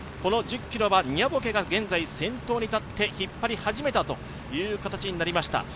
この１０ｋｍはニャボケが先頭に立って、引っ張り始めたという形になりました。